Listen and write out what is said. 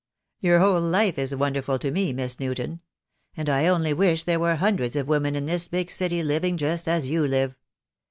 "Your whole life is wonderful to me, Miss Newton; and I only wish there were hundreds of women in this big city living just as you live.